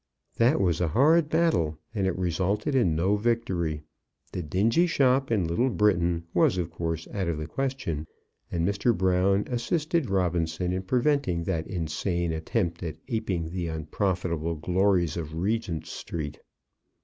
That was a hard battle, and it resulted in no victory. The dingy shop in Little Britain was, of course, out of the question; and Mr. Brown assisted Robinson in preventing that insane attempt at aping the unprofitable glories of Regent Street.